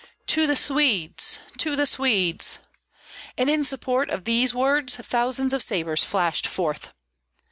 "To the Swedes! to the Swedes!" And in support of these words thousands of sabres flashed forth.